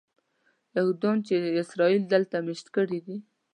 یهودیان چې اسرائیل دلته مېشت کړي دي.